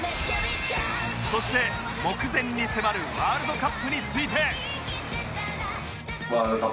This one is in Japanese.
そして目前に迫るワールドカップについて